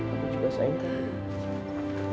aku juga saingkanmu